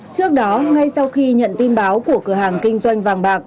trước đó ngay sau khi nhận tin báo của cửa hàng kinh doanh vàng bạc